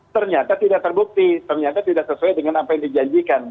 ternyata tidak terbukti ternyata tidak sesuai dengan apa yang dijanjikan